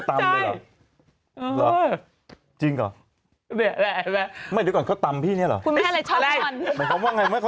ถึงมีคนหมายถึงพี่งอนเค้าก็จะตำเลยหรอ